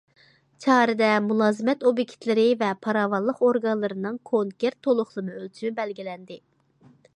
چارىدە مۇلازىمەت ئوبيېكتلىرى ۋە پاراۋانلىق ئورگانلىرىنىڭ كونكرېت تولۇقلىما ئۆلچىمى بەلگىلەندى.